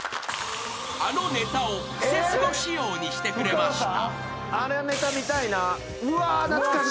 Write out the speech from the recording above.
［あのネタを『クセスゴ』仕様にしてくれました］